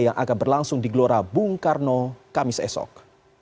yang akan berlangsung di gelora bung karno kamis esok